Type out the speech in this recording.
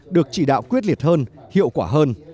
được chỉ đạo quyết liệt hơn hiệu quả hơn